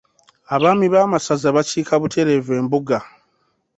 Abaami Ab'amasaza bakiika butereevu embuga.